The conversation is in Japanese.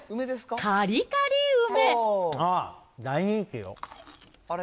カリカリ梅。